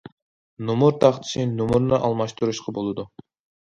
نومۇر تاختىسى نومۇرىنى ئالماشتۇرۇشقا بولىدۇ.